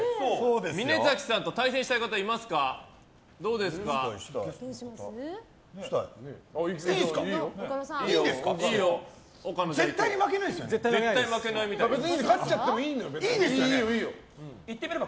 峯崎さんと対戦したい方いらっしゃいますか？